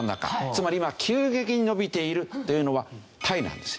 つまり今急激に伸びているというのはタイなんです。